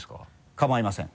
構いません。